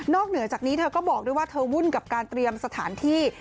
เหนือจากนี้เธอก็บอกด้วยว่าเธอวุ่นกับการเตรียมสถานที่